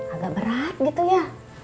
agak berat gitu ya